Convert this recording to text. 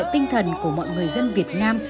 như một sự thích lệ tinh thần của mọi người dân việt nam